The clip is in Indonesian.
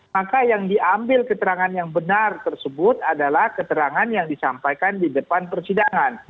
maka yang diambil keterangan yang benar tersebut adalah keterangan yang disampaikan di depan persidangan